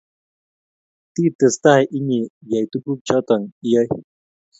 titestai inye iyai tukuk choto iyoe